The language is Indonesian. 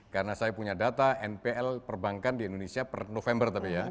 karena saya punya data npl perbankan di indonesia per november tapi ya